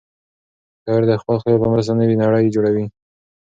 شاعر د خپل خیال په مرسته نوې نړۍ جوړوي.